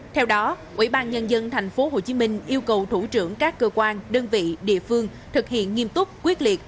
theo đó ubnd tp hcm yêu cầu thủ trưởng các cơ quan đơn vị địa phương thực hiện nghiêm túc quyết liệt